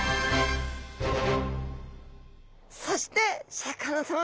そしてシャーク香音さま